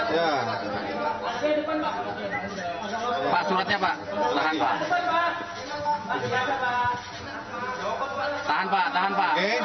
pak sistem transisi gimana pak